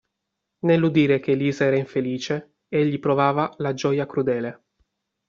Nell'udire che Elisa era infelice, egli provava la gioia crudele.